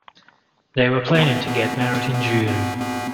They were planning to get married in June.